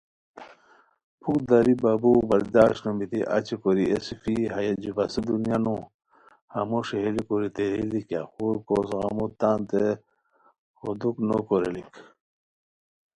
پُھک داری بابوؤ برداشت نوبیتی اچی کوری اے صوفی ہیہ جُو بسو دنیا نو، ہمو ݰئیلی کوری تیریلیک کیہ، خور کوس غمو تانتین خدوک نوغریلیک